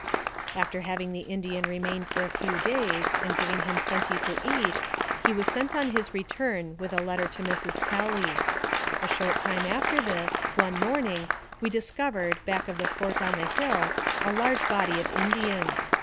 After having the Indian remain for a few days, and giving him plenty to eat, he was sent on his return with a letter to Mrs. Kelly. A short time after this, one morning, we dis covered, back of the Fort on the hill, a large body of Indians.